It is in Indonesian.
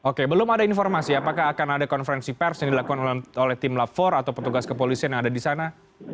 oke belum ada informasi apakah akan ada konferensi pers yang dilakukan oleh tim lafor atau petugas kepolisian yang ada di sana